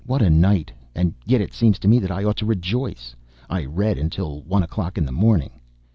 what a night! And yet it seems to me that I ought to rejoice. I read until one o'clock in the morning!